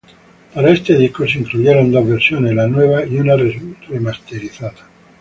Para este disco, se incluyeron dos versiones: la nueva y una remasterizada.